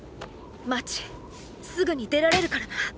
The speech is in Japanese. マーチすぐに出られるからな。